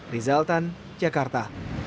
rizal tan jakarta